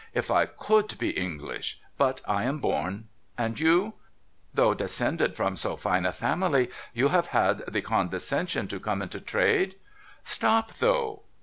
If I could be English ! But I am born. And you ? Though descended from so fine a family, you have had the con descension to come into trade ? Stop though.